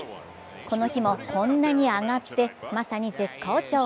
この日もこんなに上がって、まさに絶好調。